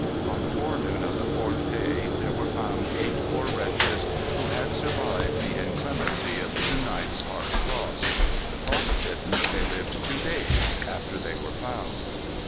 On the forenoon of the fourth day there were found eight poor wretches who had survived the inclemency of two nights' hard frost. Frostbitten, they lived two days after they were found.